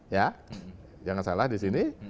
ya jangan salah disini